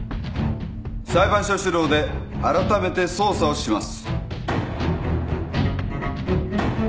裁判所主導であらためて捜査をします。